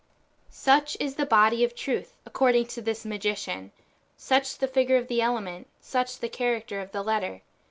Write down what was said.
Such is the body of Truth, according to this magician, such the figure of the element, such the character of the letter.